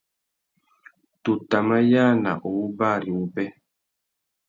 Tu tà mà yāna u wú bari wubê.